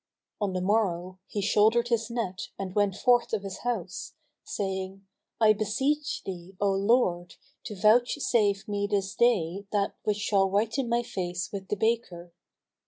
"[FN#236] On the morrow, he shouldered his net and went forth of his house, saying, "I beseech thee, O Lord, to vouchsafe me this day that which shall whiten my face with the baker!"